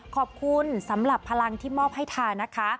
ขอบคุณสำหรับพลังที่มอบให้ทานะคะ